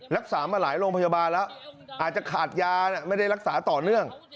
รักษามาหลายโรงพยาบาลแล้วอาจจะขาดยาไม่ได้รักษาต่อเนื่อง